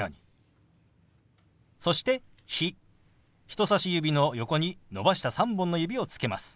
人さし指の横に伸ばした３本の指をつけます。